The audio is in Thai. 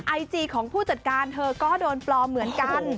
ไอจีของผู้จัดการเธอก็โดนปลอมเหมือนกัน